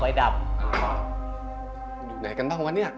ไฟดำอะไรกันบ้างนี่